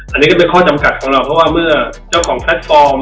อันนี้ก็เป็นข้อจำกัดของเราเพราะว่าเมื่อเจ้าของแพลตฟอร์ม